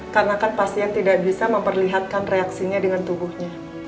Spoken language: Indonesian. karena kan pasien tidak bisa memperlihatkan reaksinya dengan tubuhnya